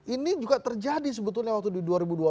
ini juga terjadi sebetulnya waktu di dua ribu dua puluh